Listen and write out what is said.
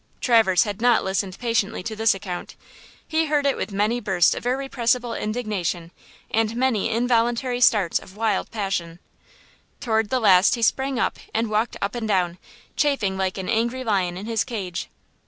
Traverse had not listened patiently to this account. He heard it with many bursts of irrepressible indignation and many involuntary starts of wild passion. Toward the last he sprang up ad walked up and down, chafing like an angry lion in his cage.